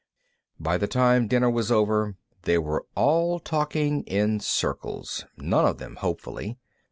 By the time dinner was over, they were all talking in circles, none of them hopefully.